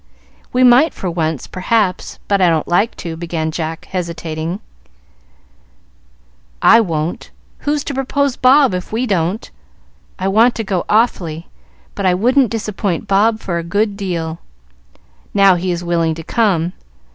"We might for once, perhaps, but I don't like to" began Jack, hesitating. "I won't. Who's to propose Bob if we don't? I want to go awfully; but I wouldn't disappoint Bob for a good deal, now he is willing to come."